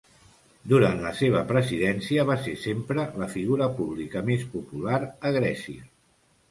Durant la seva presidència, va ser sempre la figura pública més popular a Grècia.